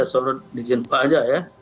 selalu di jinpa aja ya